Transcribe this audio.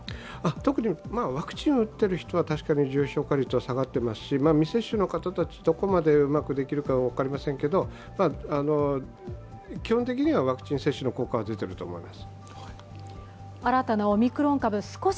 特にワクチンを打っている人は、確かに重症化率は下がっていますし、未接種の方たち、どこまでうまくできるか分かりませんけど、基本的にはワクチン接種の効果は出ていると思います。